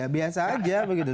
biasa aja begitu